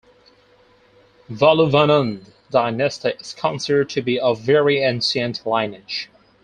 Valluvanad Dynasty is considered to be of very ancient lineage.